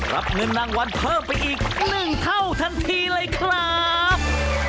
รับเงินรางวัลเพิ่มไปอีก๑เท่าทันทีเลยครับ